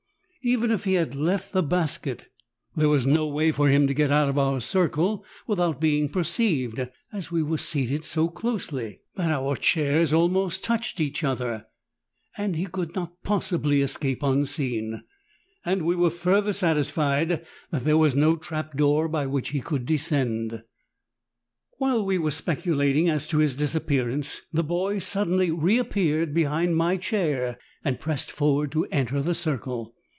Even if he had left the basket, there was no way for him to get out of our circle without being perceived, as we were seated so closely that JUGGLERS OF THE ORIENT. 97 our chairs almost touched each other, and he could not possibly escape unseen. And we were further satisfied that there was no trap door by which he could descend. While we were speculating as to his disappearance the boy suddenly reappeared behind my chair and pressed forward to enter the circle.